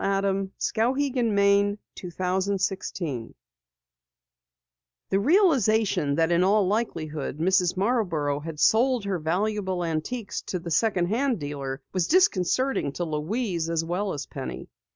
CHAPTER 18 SIGNBOARD INDIANS The realization that in all likelihood Mrs. Marborough had sold her valuable antiques to the second hand dealer was disconcerting to Louise as well as Penny.